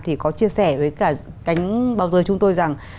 thì có chia sẻ với cả cánh bao giờ chúng tôi rằng